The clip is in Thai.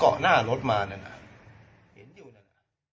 โปรดติดตามตอนต่อไป